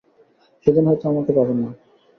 সেদিন হয়তো আমাকে পাবেন না।